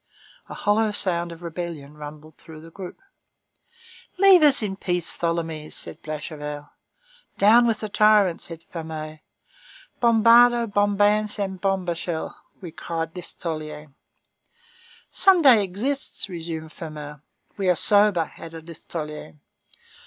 A hollow sound of rebellion rumbled through the group. "Leave us in peace, Tholomyès," said Blachevelle. "Down with the tyrant!" said Fameuil. "Bombarda, Bombance, and Bambochel!" cried Listolier. "Sunday exists," resumed Fameuil. "We are sober," added Listolier.